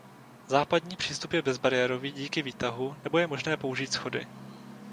Západní přístup je bezbariérový díky výtahu nebo je možné použít schody.